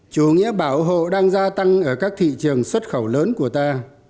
chủ nghĩa bảo hộ đang gia tăng ở các thị trường xuất khẩu lớn của ta